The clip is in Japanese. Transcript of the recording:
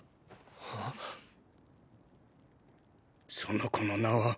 その子の名は。